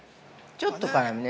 ◆ちょっと辛めね。